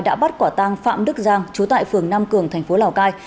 đã bắt quả tang phạm đức giang chú tại phường nam cường thành phố lào cai